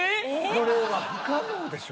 これは不可能でしょ。